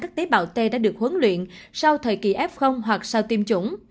khi đã được huấn luyện sau thời kỳ f hoặc sau tiêm chủng